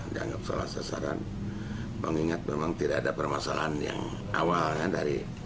dianggap salah sasaran mengingat memang tidak ada permasalahan yang awal kan dari